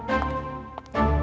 airin menemukan air